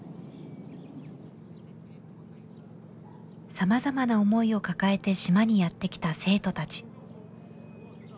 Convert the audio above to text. さまざまな思いを抱えて島にやって来た生徒たち。